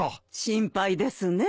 心配ですね。